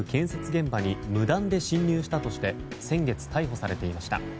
現場に無断で侵入したとして先月、逮捕されていました。